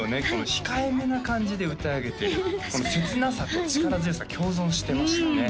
控えめな感じで歌い上げている切なさと力強さ共存してましたね